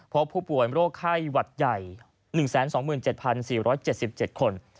พบผู้ป่วยโรคไข้หวัดใหญ่๑๒๗๔๗๗คน